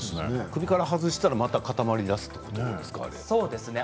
首から外したら、また固まりだすということなのね。